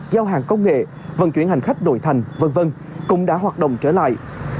giao hàng công nghệ vận chuyển hành khách nội thành v v cũng đã hoạt động trở lại